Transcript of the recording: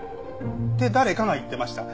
って誰かが言ってました。